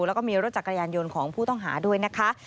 แล้วก็มีรถจักรยานยนต์ของผู้ต้องหาด้วยนะคะ